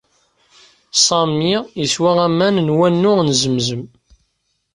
Sami yeswa aman n Wanu n Zemzem.